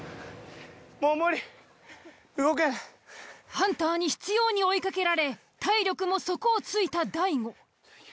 ハンターに執拗に追いかけられ体力も底をついた大悟。